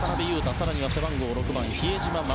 更には背番号６番、比江島慎